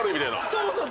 そうそう。